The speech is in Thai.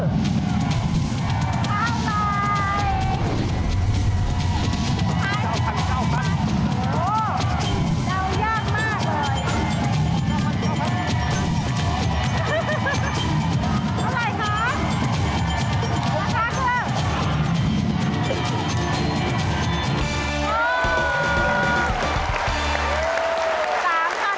เดายากมากเลย